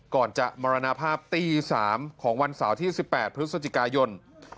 ก่อนจะมรณภาพตี๓ของวันเสาร์ที่๑๘พฤศจิกายน